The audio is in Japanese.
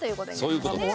そういう事です。